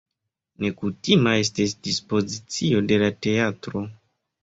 Nekutima estis dispozicio de la teatro.